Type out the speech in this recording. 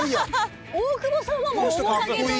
大久保さんはもう面影というか。